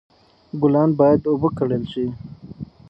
ګلان باید اوبه کړل شي.